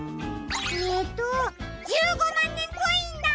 えっと１５まんねんコインだ！